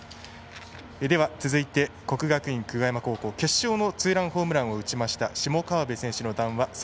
続いて、国学院久我山高校決勝のツーランホームランを打ちました下川邊選手の談話。